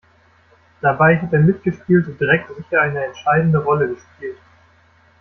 Dabei hat der mitgespülte Dreck sicher eine entscheidende Rolle gespielt.